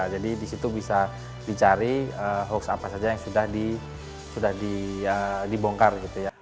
jadi di situ bisa dicari hoax apa saja yang sudah dibongkar